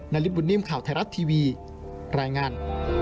นาริสบุญนิ่มข่าวไทยรัฐทีวีรายงาน